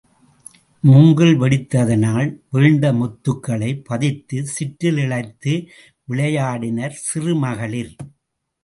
மூங்கில் வெடித்ததனால் வீழ்ந்த முத்துக்களைப் பதித்துச் சிற்றில் இழைத்து விளையாடினர் சிறுமகளிர்.